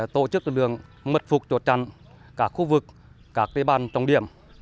tổ chức lực lượng mật phục trột trăn các khu vực các tế bàn trong điểm